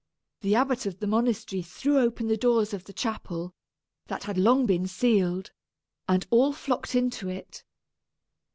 The abbot of the monastery threw open the doors of the chapel, that had long been sealed, and all flocked into it.